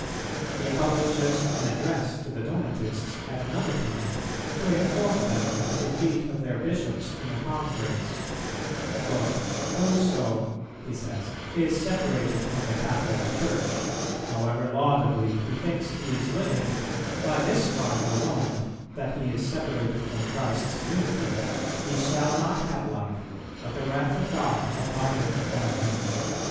He publishes an address to the Donatists at another time to inform them of the defeat of their Bishops in a conference: "Whoso," he says, "is separated from the Catholic Church, however laudably he thinks he is living, by this crime alone, that he is separated from Christ's Unity, he shall not have life, but the wrath of God abideth on him."